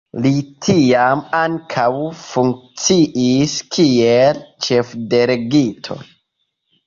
Li tiam ankaŭ funkciis kiel ĉefdelegito.